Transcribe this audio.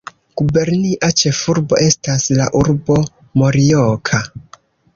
Gubernia ĉefurbo estas la urbo Morioka.